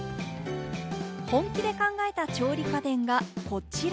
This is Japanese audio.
本気で考えた調理家電がこちら。